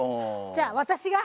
じゃあ私が。